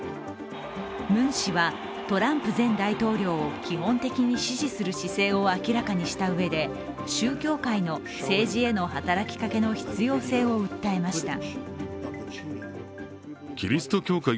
ムン氏はトランプ前大統領を基本的に支持する姿勢を明らかにしたうえで宗教界の政治への働きかけの必要性を訴えました。